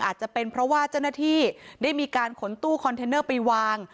อาจจะเป็นเพราะว่าเจ้าหน้าที่ได้มีการขนตู้คอนเทนเนอร์ไปวาง